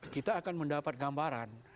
kita akan mendapat gambaran